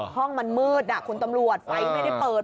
ห้องมันมืดคุณตำรวจไฟไม่ได้เปิด